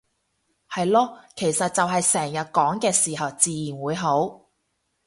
係囉，其實就係成日講嘅時候自然會好